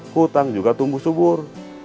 hutang juga tumbuh subur